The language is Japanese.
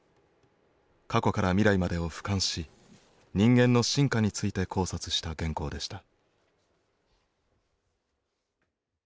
過去から未来までをふかんし人間の進化について考察した原稿でした。